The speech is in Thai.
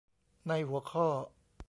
ในหัวข้อ